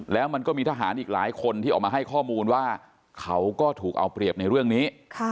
แล้วมันก็มีทหารอีกหลายคนที่ออกมาให้ข้อมูลว่าเขาก็ถูกเอาเปรียบในเรื่องนี้